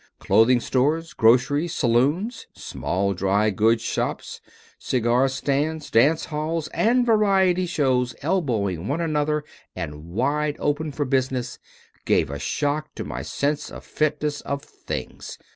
"Clothing stores, groceries, saloons, small drygoods shops, cigar stands, dance halls and variety shows elbowing one another and wide open for business, gave a shock to my sense of the fitness of things."